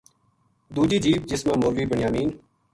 دُوجی جیپ جس ما مولوی بنیامین